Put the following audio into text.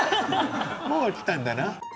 もう来たんだな。